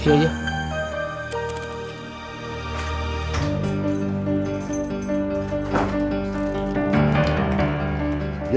biasakan kalau masuk rumah